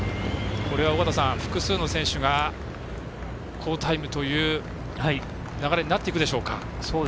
複数の選手が好タイムという流れになってくるでしょうか。